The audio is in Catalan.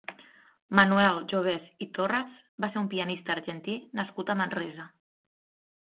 Manuel Jovés i Torres va ser un pianista argentí nascut a Manresa.